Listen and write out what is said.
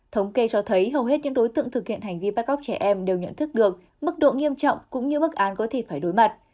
thống kê cho thấy hầu hết những đối tượng thực hiện hành vi bắt cóc trẻ em đều nhận thức được mức độ nghiêm trọng cũng như mức án có thể phải đối mặt